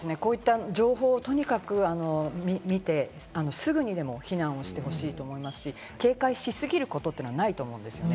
情報を見て、すぐにでも避難をしてほしいと思いますし、警戒し過ぎることというのはないと思うんですよね。